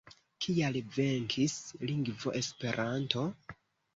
Kial venkis lingvo Esperanto?